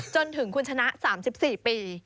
จนถึงคุณชนะ๓๔ปี